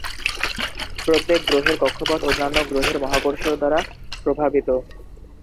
প্রত্যেক গ্রহের কক্ষপথ অন্যান্য গ্রহের মহাকর্ষীয় দ্বারা প্রভাবিত।